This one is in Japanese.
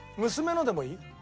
娘のでもいい？